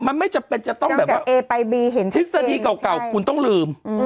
มันไม่จำเป็นจะต้องแบบว่าทฤษฎีเก่าคุณต้องลืม